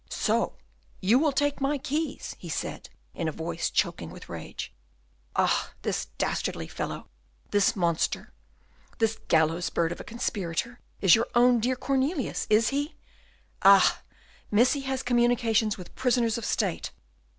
"So you will take my keys?" he said, in a voice choked with rage. "Ah! this dastardly fellow, this monster, this gallows bird of a conspirator, is your own dear Cornelius, is he? Ah! Missy has communications with prisoners of state.